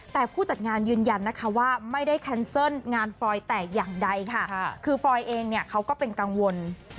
แต่ผู้จัดงานยืนยันนะคะว่าไม่ได้แคนเซิลงานฟรอยแตกอย่างใดค่ะคือฟรอยเองเนี่ยเขาก็เป็นกังวล